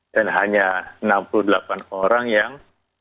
dan hanya enam puluh delapan orang yang